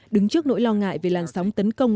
đứng trước nỗi lo ngại về làn sóng tấn công